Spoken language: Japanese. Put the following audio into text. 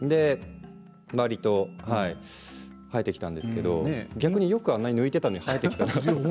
わりと生えてきたんですけど逆によくあんなに抜いていたのに生えてきたなって。